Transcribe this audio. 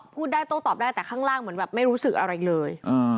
พูดได้โต้ตอบได้แต่ข้างล่างเหมือนแบบไม่รู้สึกอะไรเลย